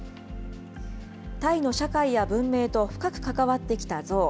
タイの社会や文明と深く関わってきたゾウ。